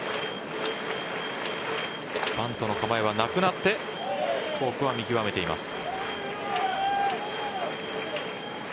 バントの構えはなくなってフォークは見極めています。